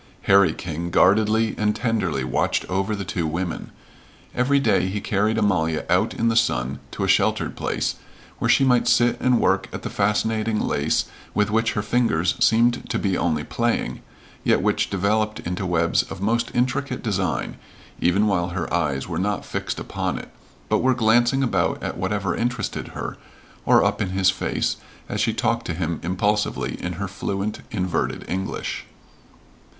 Harry King guardedly and tenderly watched over the two women. Every day he carried Amalia out in the sun to a sheltered place, where she might sit and work at the fascinating lace with which her fingers seemed to be only playing, yet which developed into webs of most intricate design, even while her eyes were not fixed upon it, but were glancing about at whatever interested her, or up in his face, as she talked to him impulsively in her fluent, inverted English.